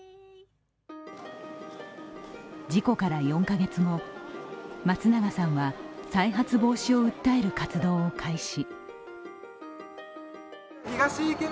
事故から４カ月後、松永さんは再発防止を訴える活動を開始。